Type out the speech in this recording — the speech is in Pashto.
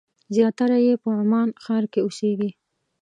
زیاتره یې په عمان ښار کې اوسېږي.